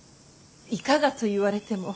いかがと言われても。